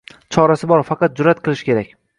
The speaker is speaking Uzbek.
Chorasi bor, faqat jur’at qilish kerak.